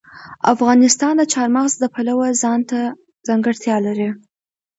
افغانستان د چار مغز د پلوه ځانته ځانګړتیا لري.